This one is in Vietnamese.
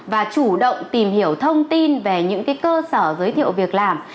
và chủ động tìm hiểu thông tin về những cơ sở giới thiệu việc làm